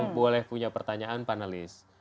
boleh punya pertanyaan panelis